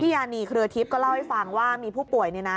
พี่อานีเครือทิศก็เล่าให้ฟังว่ามีผู้ป่วยเนี่ยนะ